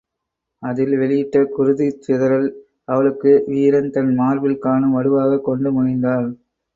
அதில் வெளியிட்ட குருதிச் சிதறல் அவளுக்கு வீரன் தன் மார்பில் காணும் வடுவாகக் கொண்டு மகிழ்ந்தாள்.